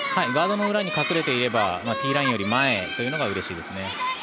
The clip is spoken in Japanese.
ガードの裏に隠れていればティーラインより前というのがうれしいですね。